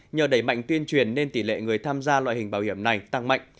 nhờ đẩy mạnh tuyên truyền nên tỷ lệ người tham gia loại hình bảo hiểm này tăng mạnh